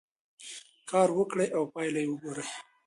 کار وکړئ او پایله یې وګورئ.